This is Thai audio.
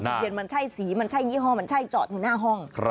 เย็นมันใช่สีมันใช่ยี่ห้อมันใช่จอดอยู่หน้าห้อง